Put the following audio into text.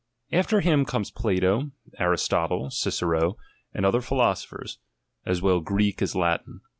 After him comes Plato, Aristotle, Cicero, and other philosophers, as well Greek as Latin.